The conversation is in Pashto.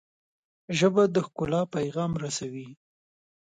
ژبه د ښکلا پیغام رسوي